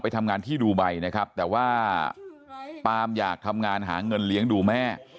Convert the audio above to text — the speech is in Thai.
ทำงานที่ดูไบนะครับแต่ว่าปามอยากทำงานหาเงินเลี้ยงดูแม่